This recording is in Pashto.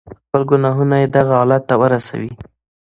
خپل گناهونه ئې دغه حالت ته ورسوي.